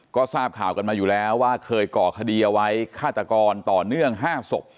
ก็ทราบข่าวกันมาอยู่แล้วว่าเคยก่อคดีเอาไว้ฆาตกรต่อเนื่อง๕ศพ